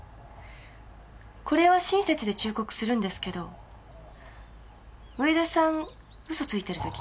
これは親切で忠告するんですけど上田さん嘘ついてる時ね